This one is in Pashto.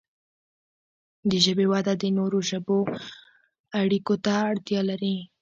د ژبې وده د نورو ژبو سره اړیکو ته اړتیا لري.